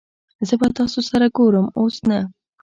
زه به تاسو سره ګورم اوس نه